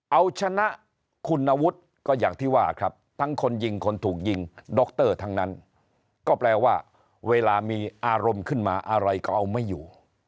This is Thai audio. เอาชนะคุณวุฒิก็อย่างที่ว่าครับทั้งคนยิงคนถูกยิงดรทั้งนั้นก็แปลว่าเวลามีอารมณ์ขึ้นมาอะไรก็เอาไม่อยู่